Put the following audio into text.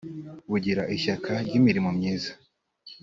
bugira ishyaka ry’imirimo myiza.